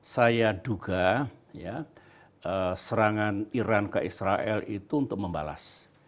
saya duga serangan iran ke israel itu untuk membalas